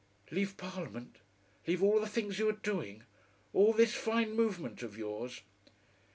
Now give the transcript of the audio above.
"Leave Parliament leave all the things you are doing, all this fine movement of yours?"